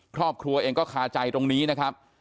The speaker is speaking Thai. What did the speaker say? ครอบครัวเองก็คาใจตรงนี้นะครับ